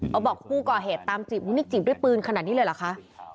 กลบกี่ผู้เกาะเหตุตามสีบมรึงนี่สู้ด้วยปืนขนาดนี้เลยเหรอคะ